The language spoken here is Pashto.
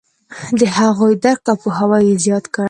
د هغوی درک او پوهاوی یې زیات کړ.